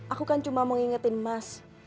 aku kan cuma mengingatin mas